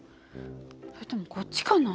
それともこっちかな？